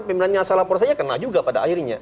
pimpinannya asal laporannya kena juga pada akhirnya